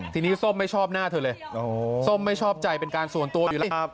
ทีนี้ส้มไม่ชอบหน้าเธอเลยส้มไม่ชอบใจเป็นการส่วนตัวอยู่แล้ว